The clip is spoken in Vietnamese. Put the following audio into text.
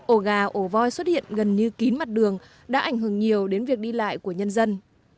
ổ gà ổ voi xuất hiện gần như kín mặt đường đã ảnh hưởng nhiều đến việc đi lại của nhân dân